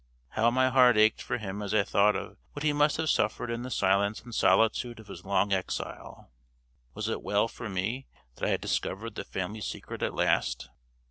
How my heart ached for him as I thought of what he must have suffered in the silence and solitude of his long exile! Was it well for me that I had discovered the Family Secret at last?